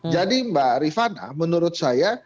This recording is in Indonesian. mbak rifana menurut saya